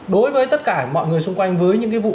đối với tất cả mọi người xung quanh với những cái vụ